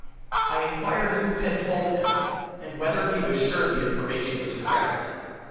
I inquired who had told him and whether he was sure the information was correct.